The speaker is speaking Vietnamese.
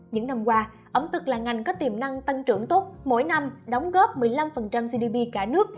những năm qua ẩm thực là ngành có tiềm năng tăng trưởng tốt mỗi năm đóng góp một mươi năm gdp cả nước